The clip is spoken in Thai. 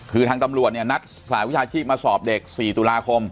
คือทางตำรวจเนี่ยนัดสหวิชาชีพมาสอบเด็ก๔ตุลาคม